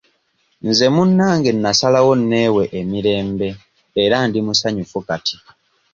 Nze munnange nnasalawo neewe emirembe era ndi musanyufu kati.